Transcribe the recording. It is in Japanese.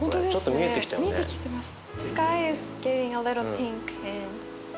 見えてきてます。